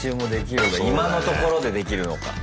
今のところでできるのか。